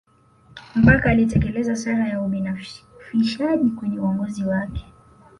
mkapa alitekeleza sera ya ubinafishaji kwenye uongozi wake